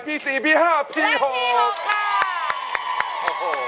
ใจแรกมีความลับที่ไช่และกลับบอก